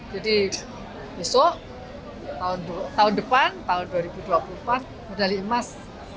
jadi besok tahun depan tahun dua ribu dua puluh empat medali emas